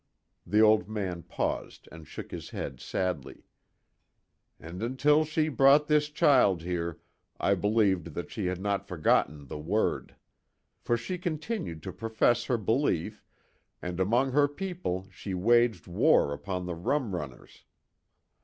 The old man paused and shook his head sadly, "And until she brought this child here I believed that she had not forgotten the Word. For she continued to profess her belief, and among her people she waged war upon the rum runners.